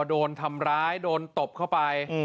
โดนทำร้ายโดนตบเข้าไป